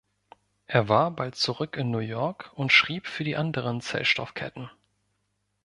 Er war bald zurück in New York und schrieb für die anderen Zellstoffketten.